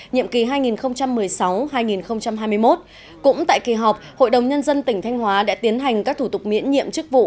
nhiệm kỳ hai nghìn một mươi sáu hai nghìn hai mươi một cũng tại kỳ họp hội đồng nhân dân tỉnh thanh hóa đã tiến hành các thủ tục miễn nhiệm chức vụ